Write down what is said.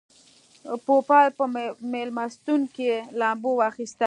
پوپل په مېلمستون کې لامبو واخیسته.